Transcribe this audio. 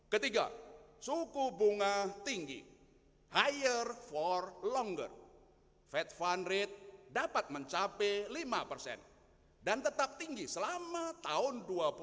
ketiga suku bunga tinggi higher for longer fed fund rate dapat mencapai lima persen dan tetap tinggi selama tahun dua ribu dua puluh tiga